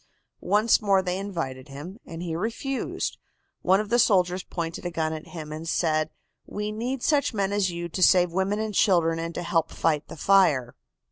"Once more they invited him, and he refused. One of the soldiers pointed a gun at him and said: "'We need such men as you to save women and children and to help fight the fire.